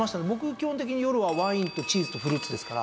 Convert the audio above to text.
基本的に夜はワインとチーズとフルーツですから。